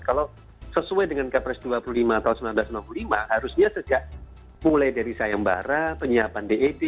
kalau sesuai dengan kepres dua puluh lima tahun seribu sembilan ratus sembilan puluh lima harusnya sejak mulai dari sayembara penyiapan ded